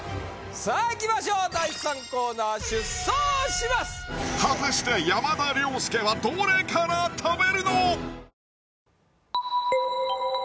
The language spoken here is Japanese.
さあいきましょう果たして山田涼介はどれから食べるの？